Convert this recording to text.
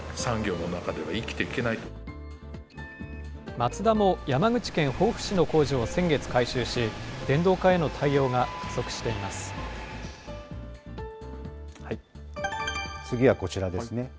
マツダも山口県防府市の工場を先月改修し、電動化への対応が次はこちらですね。